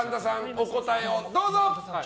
お答えをどうぞ。